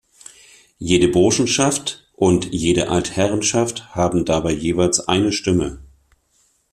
Jede Burschenschaft und jede Altherrenschaft haben dabei jeweils eine Stimme.